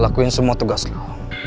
lakuin semua tugas lo